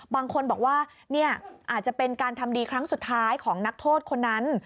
บางคนบอกว่าเนี่ยอาจจะเป็นการทำดีครั้งสุดท้ายของนักโทษคนนั้น